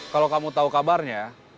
kalau kamu tahu kabarnya